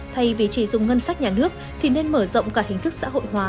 thay vì chỉ dùng ngân sách nhà nước thì nên mở rộng cả hình thức xã hội hóa